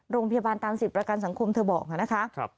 โรงพยาบาลตามสิทธิ์ประกันสังคมเธอบอกนะคะ